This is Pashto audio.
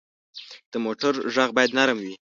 د موټر غږ باید نرم وي.